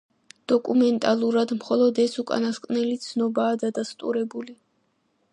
დოკუმენტალურად მხოლოდ ეს უკანასკნელი ცნობაა დადასტურებული.